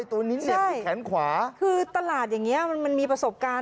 ตัวนี้เหยียบที่แขนขวาคือตลาดอย่างเงี้ยมันมันมีประสบการณ์